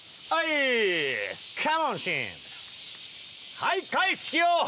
はい！